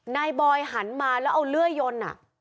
บอยหันมาแล้วเอาเลื่อยยน